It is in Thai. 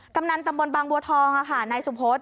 ตำนานตำบลบังบัวทองไหนสุภส